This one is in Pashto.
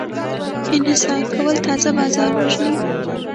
انحصار کول ازاد بازار وژني.